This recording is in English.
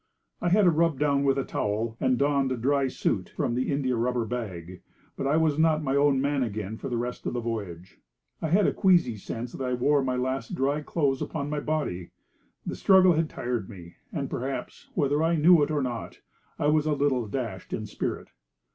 I had a rub down with a towel, and donned a dry suit from the india rubber bag. But I was not my own man again for the rest of the voyage. I had a queasy sense that I wore my last dry clothes upon my body. The struggle had tired me; and perhaps, whether I knew it or not, I was a little dashed in spirit.